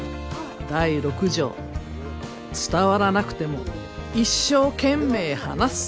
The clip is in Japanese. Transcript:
「第六条伝わらなくても一生懸命話す」